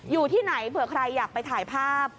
อยู่ที่ไหนเผื่อใครอยากไปถ่ายภาพ